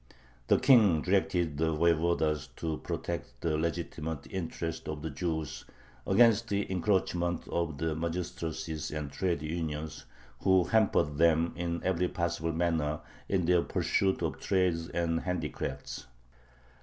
The King directed the voyevodas to protect the legitimate interests of the Jews against the encroachments of the magistracies and trade unions, who hampered them in every possible manner in their pursuit of trades and handicrafts.